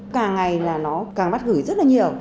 càng ngày là nó càng mắt gửi rất là nhiều